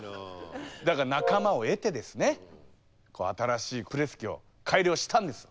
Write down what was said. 仲間を得てですね新しいプレス機を改良したんです。